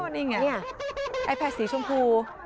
นี่ไงไอแพดสีชมพู